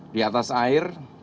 di atas air